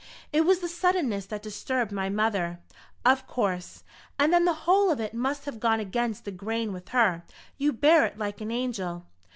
"It was the suddenness that disturbed my mother." "Of course; and then the whole of it must have gone against the grain with her. You bear it like an angel."